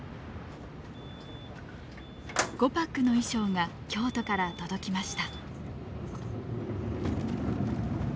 「ゴパック」の衣装が京都から届きました。